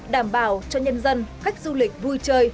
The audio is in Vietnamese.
đảm bảo cho nhân dân khách du lịch